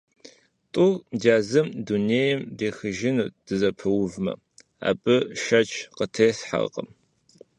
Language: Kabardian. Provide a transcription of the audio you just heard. ТӀум дязыр дунейм ехыжынут дызэпэувмэ – абы шэч къытесхьэртэкъым.